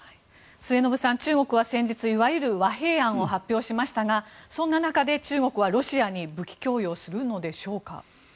末延さん、中国は先日いわゆる和平案を発表しましたがそんな中で中国はロシアに武器供与をするのでしょうか。